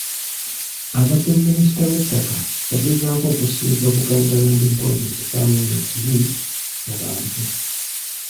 Abadde Minisita w'ettaka yagezaako okusiiga Buganda Land Board ekifaananyi ekibi mu bantu.